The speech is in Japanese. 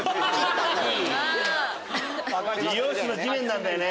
美容室の地面なんだよね。